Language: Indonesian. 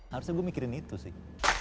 harusnya gue mikirin itu sih